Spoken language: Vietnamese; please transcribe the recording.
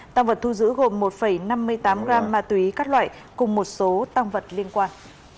tăng vật thu giữ gồm một năm mươi tám gram ma túy các loại cùng một số tăng vật liên quan